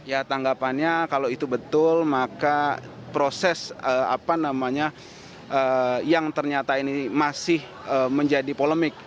ya tanggapannya kalau itu betul maka proses apa namanya yang ternyata ini masih menjadi polemik